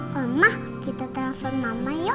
mama kita telepon mama ya